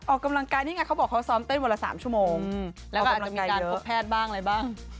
ออกกำลังกายนี่ไงเขาบอกเขาซ้อมเต้นวันละ๓ชั่วโมงแล้วก็อาจจะมีการพบแพทย์บ้างอะไรบ้าง